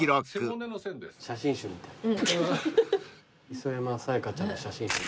磯山さやかちゃんの写真集。